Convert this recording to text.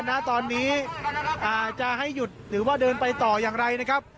ณตอนนี้จะให้หยุดหรือว่าเดินไปต่ออย่างไรนะครับ